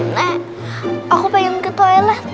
nah aku pengen ke toilet